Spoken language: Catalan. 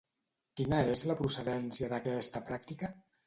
Quina és la procedència d'aquesta pràctica?